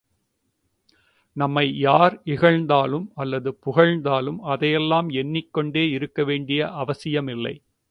நம்மை யார் இகழ்ந்தாலும் அல்லது புகழ்ந்தாலும் அதையெல்லாம் நாம் எண்ணிக் கொண்டே இருக்க வேண்டிய அவசியமில்லை.